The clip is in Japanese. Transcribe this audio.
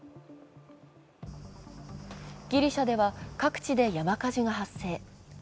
ギリシャでは各地で山火事が発生。